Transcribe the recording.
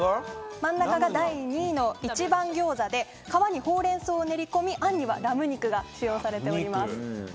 真ん中が第２位の一番餃子で皮にほうれん草を練り込みあんにはラム肉が使用されております。